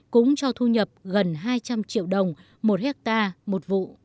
cũng cho thu nhập gần hai trăm linh triệu đồng một hectare một vụ